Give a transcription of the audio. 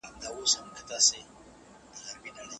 همدارنګه د خصوصي سکتور پرته اقتصاد نه چلیږي.